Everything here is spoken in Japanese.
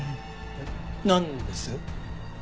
えっなんです？